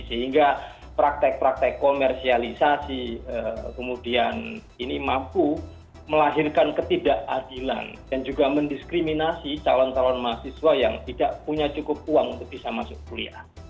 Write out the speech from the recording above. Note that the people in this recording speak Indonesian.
sehingga praktek praktek komersialisasi kemudian ini mampu melahirkan ketidakadilan dan juga mendiskriminasi calon calon mahasiswa yang tidak punya cukup uang untuk bisa masuk kuliah